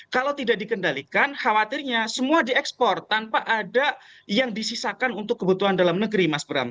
kalau tidak dikendalikan khawatirnya semua diekspor tanpa ada yang disisakan untuk kebutuhan dalam negeri mas bram